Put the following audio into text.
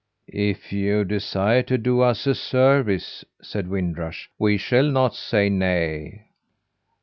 "If you desire to do us a service," said Wind Rush, "we shall not say nay."